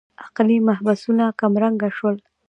عقلي مبحثونه کمرنګه شول.